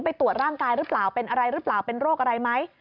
ไปตรวจร่างกายหรือเปล่าเป็นอะไรหรือเปล่าเป็นโรคอะไรไหม